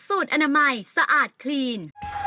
สูตรอนามัยสะอาดครีน